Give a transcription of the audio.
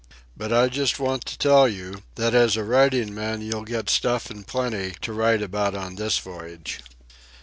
But I just want to tell you, that as a writing man you'll get stuff in plenty to write about on this voyage.